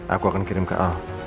aku akan kirim ke allah